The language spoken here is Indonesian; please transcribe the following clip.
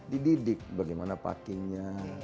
dididik bagaimana packing nya